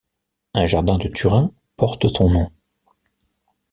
Un jardin de Turin porte son nom.